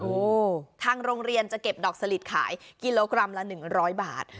โอ้โหทางโรงเรียนจะเก็บดอกสลิดขายกิโลกรัมละ๑๐๐บาท